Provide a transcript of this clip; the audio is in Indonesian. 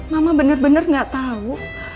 mama bener bener gak tau